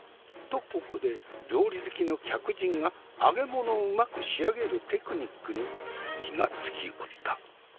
とここで料理好きの客人が揚げ物をうまく仕上げるテクニックに気が付きおった。